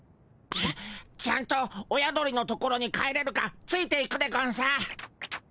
ちゃんと親鳥の所に帰れるかついていくでゴンス。